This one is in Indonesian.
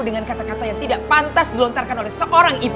dengan kata kata yang tidak pantas dilontarkan oleh seorang ibu